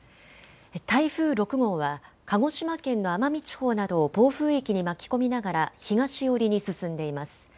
台風６号は鹿児島県の奄美地方などを暴風域に巻き込みながら東寄りに進んでいます。